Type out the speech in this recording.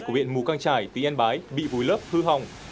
của huyện mù căng trải tỉnh yên bái bị vùi lấp hư hỏng